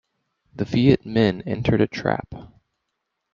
The Viet Minh entered a trap.